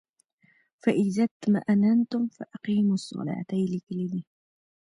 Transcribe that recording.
"فاذا اظماننتم فاقیموالصلواته" یې لیکلی دی.